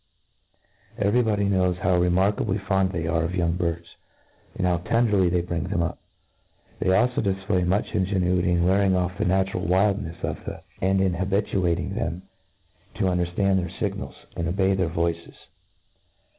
Every body knows how remarkably fond they are of young birds, and how tenderly they bring them up. They alfo difplay much ingenuity in wearing off the natural wildnefs of the the little creattfrcs^ and in habituating them id underftand their fignals, and to obey their voices.